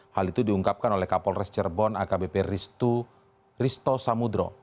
hal itu diungkapkan oleh kapolres cirebon akbp risto samudro